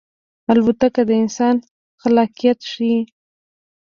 الوتکه د انسان خلاقیت ښيي.